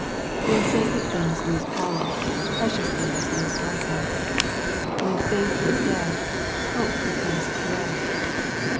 When sacred things lose power, precious things lose blessing. When faith is dead, hope be comes dread.